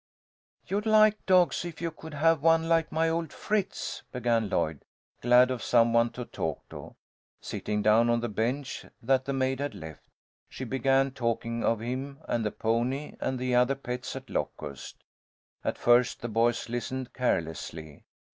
"You'd like dogs if you could have one like my old Fritz," began Lloyd, glad of some one to talk to. Sitting down on the bench that the maid had left, she began talking of him and the pony and the other pets at Locust, At first the boys listened carelessly.